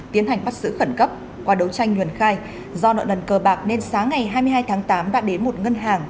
tiến hành bắt giữ khẩn cấp qua đấu tranh nhuần khai do nợ lần cờ bạc nên sáng ngày hai mươi hai tháng tám đã đến một ngân hàng